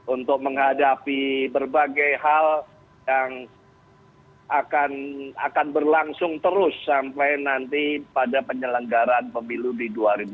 untuk menghadapi berbagai hal yang akan berlangsung terus sampai nanti pada penyelenggaraan pemilu di dua ribu dua puluh